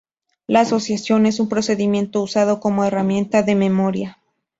La asociación es un procedimiento usado como herramienta de memoria.